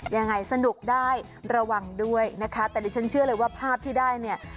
ยังไงสนุกได้ระวังด้วยนะคะแต่ดิฉันเชื่อเลยว่าภาพที่ได้เนี่ย